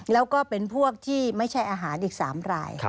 แล้วก็เป็นพวกที่ไม่ใช่อาหารอีก๓ราย